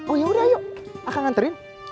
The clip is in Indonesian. oh yaudah ayo akang nganterin